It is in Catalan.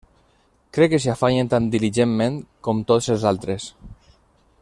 Crec que s'hi afanyen tan diligentment com tots els altres.